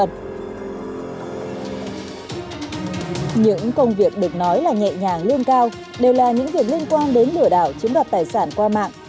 những công việc được nói là nhẹ nhàng lương cao đều là những việc liên quan đến lửa đảo chiếm đoạt tài sản qua mạng